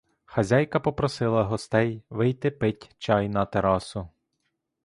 Хазяйка попросила гостей вийти пить чай на терасу.